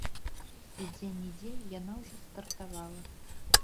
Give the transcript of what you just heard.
І дзе-нідзе яна ўжо стартавала.